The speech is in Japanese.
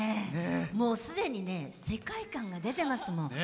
もうすでに世界観が出てますもん。